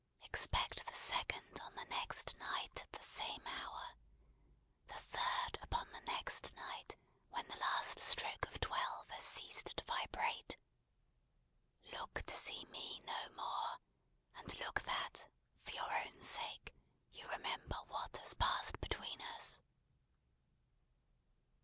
"Expect the second on the next night at the same hour. The third upon the next night when the last stroke of Twelve has ceased to vibrate. Look to see me no more; and look that, for your own sake, you remember what has passed between us!"